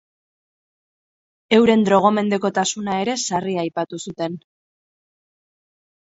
Euren drogomendekotasuna ere sarri aipatu zuten.